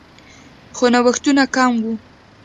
خو نوښتونه کم وو